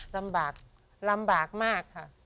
ลำบากลำบากมากค่ะ